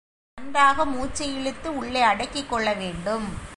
நன்றாக மூச்சையிழுத்து, உள்ளே அடக்கிக் கொள்ள வேண்டும்.